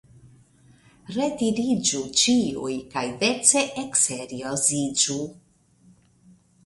Retiriĝu, ĉiuj, kaj dece ekserioziĝu.